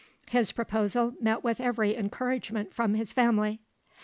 His proposal met with every encouragement from his family.